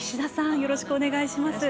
よろしくお願いします。